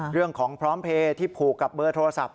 เรื่องของพร้อมเพลย์ที่ผูกกับเบอร์โทรศัพท์